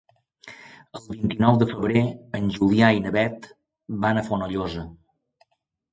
El vint-i-nou de febrer en Julià i na Beth van a Fonollosa.